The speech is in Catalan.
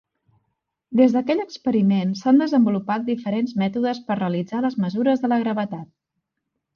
Des d'aquell experiment s'han desenvolupat diferents mètodes per realitzar les mesures de la gravetat.